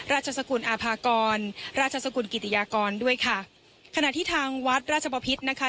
สกุลอาภากรราชสกุลกิติยากรด้วยค่ะขณะที่ทางวัดราชบพิษนะคะ